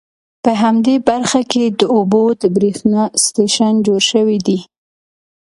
په همدې برخه کې د اوبو د بریښنا سټیشن جوړ شوي دي.